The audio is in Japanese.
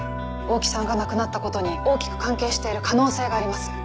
大木さんが亡くなった事に大きく関係している可能性があります。